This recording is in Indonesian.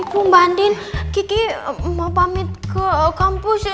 ibu mbak andin gigi mau pamit ke kampus